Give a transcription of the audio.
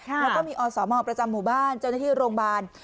แล้วก็มีอสมประจำหมู่บ้านเจ้าหน้าที่โรงพยาบาล